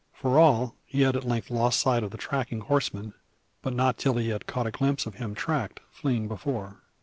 For all, he had at length lost sight of the tracking horseman, but not till he had caught a glimpse of him tracked, fleeing before.